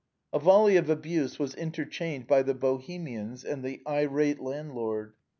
A volley of abuse was interchanged by the Bohemians and the irate landlord.